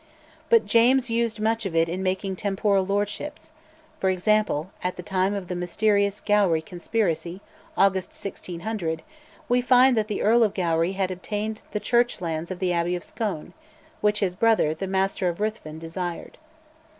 But James used much of it in making temporal lordships: for example, at the time of the mysterious Gowrie Conspiracy (August 1600), we find that the Earl of Gowrie had obtained the Church lands of the Abbey of Scone, which his brother, the Master of Ruthven, desired.